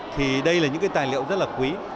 thì đây là những cái tài liệu rất là quý